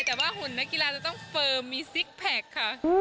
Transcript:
แต่ว่าหุ่นนักกีฬาจะต้องเฟิร์มมีซิกแพคค่ะ